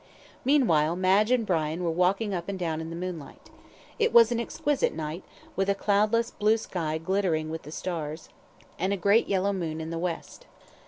Meanwhile Madge and Brian were walking up and down in the moonlight. It was an exquisite night, with a cloudless blue sky glittering with the stars, and a great yellow moon in the west.